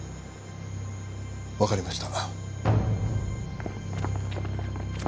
わかりました。